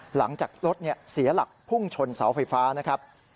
หลังจากรถเสียหลักพุ่งชนเสาไฟฟ้านะครับ